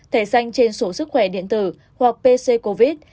thẻ xanh trên sổ sức khỏe điện tử hoặc pc covid